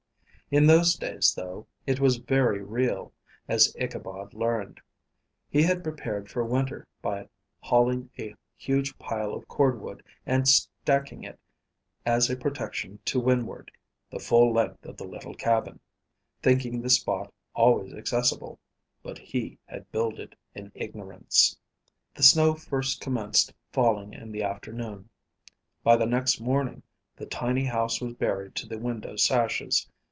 In those days, though, it was very real, as Ichabod learned. He had prepared for winter, by hauling a huge pile of cordwood and stacking it, as a protection to windward, the full length of the little cabin, thinking the spot always accessible; but he had builded in ignorance. The snow first commenced falling in the afternoon. By the next morning the tiny house was buried to the window sashes.